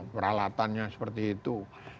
peralatannya seperti itu